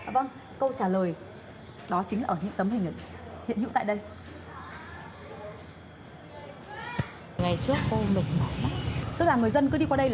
vâng câu trả lời đó chính là ở những tấm hình hiện dụng tại đây